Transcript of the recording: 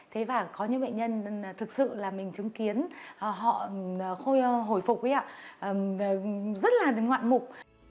thế và có những bệnh nhân thực sự là mình chứng kiến họ hồi phục rất là ngoạn mục